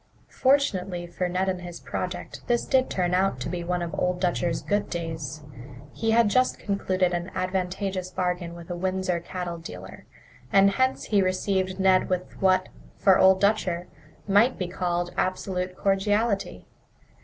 Fortunately for Ned and his project, this did turn out to be one of Old Dutcher's good days. He had just concluded an advantageous bargain with a Windsor cattle dealer, and hence he received Ned with what, for Old Dutcher, might be called absolute cordiality.